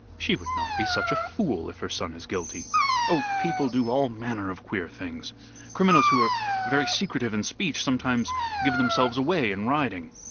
"She would not be such a fool, if her son is guilty." "Oh, people do all manner of queer things. Criminals who are very secretive in speech sometimes give themselves away in writing.